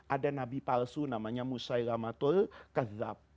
ada nabi palsu namanya musaylamatul kazab